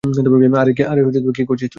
আরে কী করছিস তুই?